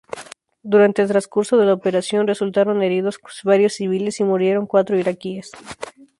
Durante el transcurso de la operación, resultaron heridos varios civiles y murieron cuatro iraquíes.